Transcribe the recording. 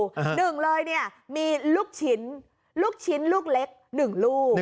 หนึ่งเลยนี่มีลูกชิ้นลูกเล็ก๑ลูก